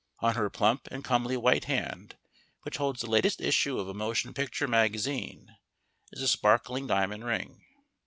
On her plump and comely white hand, which holds the latest issue of a motion picture magazine, is a sparkling diamond ring.